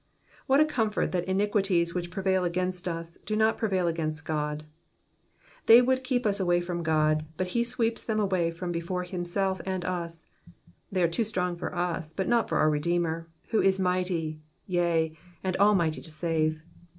What a comfort that iniquities which prevail against us, do not prevail against God. They would keep us away from God, but he sweeps them away from before himself and us ; they are too strong for us, but not for our Redeemer, who is mighty, yea, and almighty to save.